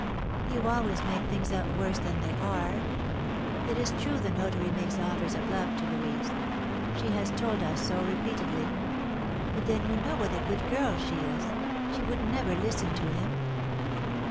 "You always make things out worse than they are. It is true the notary makes offers of love to Louise; she has told us so repeatedly. But then you know what a good girl she is; she would never listen to him."